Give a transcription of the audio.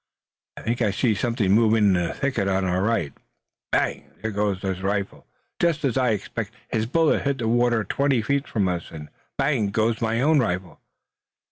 I think I see something moving in a thicket on our right! Bang, there goes his rifle! Just as I expected, his bullet hit the water twenty feet from us! And bang goes my own rifle!